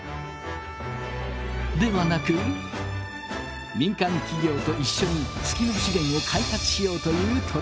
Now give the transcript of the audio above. ではなく民間企業と一緒に月の資源を開発しようという取り組みです。